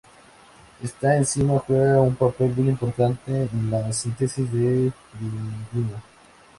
Esta enzima juega un papel muy importante en la síntesis de pirimidina.